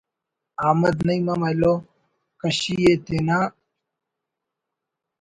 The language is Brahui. احمد نعیم ہم ایلم کشی ءِ تینا شاعری نا سر حال جوڑ کرسا پاہک کہ: